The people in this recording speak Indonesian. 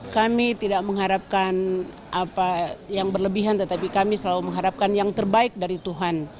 kami tidak mengharapkan apa yang berlebihan tetapi kami selalu mengharapkan yang terbaik dari tuhan